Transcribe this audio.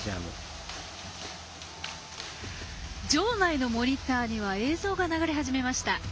場内のモニターには映像が流れ始めました。